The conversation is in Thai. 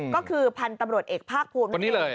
ก็คือพันธุ์ตำรวจเอกภาคภูมิท่านนี้เลย